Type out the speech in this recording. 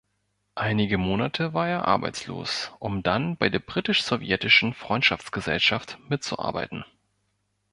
Einige Monate war er arbeitslos, um dann bei der Britisch-Sowjetischen Freundschaftsgesellschaft mitzuarbeiten.